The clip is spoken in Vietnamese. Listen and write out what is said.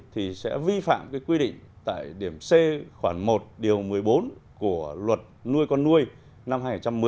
thì sẽ vi phạm cái quy định tại điểm c khoảng một điều một mươi bốn của luật nuôi con nuôi năm hai nghìn một mươi